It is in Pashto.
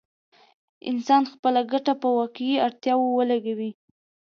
انسان خپله ګټه په واقعي اړتياوو ولګوي.